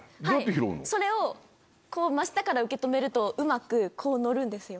それをこう真下から受け止めるとうまくこう乗るんですよ